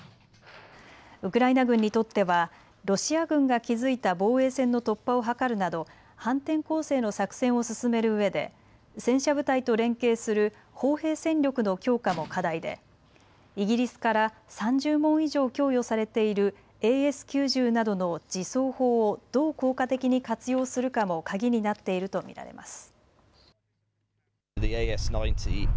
ウクライナ軍にとってはロシア軍が築いた防衛線の突破を図るなど反転攻勢の作戦を進めるうえで戦車部隊と連携する砲兵戦力の強化も課題でイギリスから３０門以上供与されているＡＳ９０などの自走砲をどう効果的に活用するかも鍵になっていると見られます。